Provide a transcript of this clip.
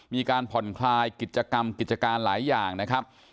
มีการผ่อนคลายกิจกรรมกิจการหลายอย่างนะครับ